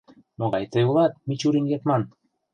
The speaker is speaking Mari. Могай тый улат, Мичурин-Ятман?